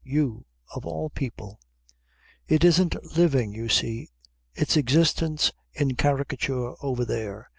You of all people " "It isn't living, you see. It's existence in caricature over there.